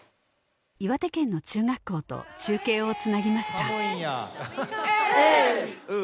岩手県の中学校と中継をつなぎましたウー！